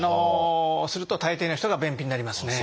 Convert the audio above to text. すると大抵の人が便秘になりますね。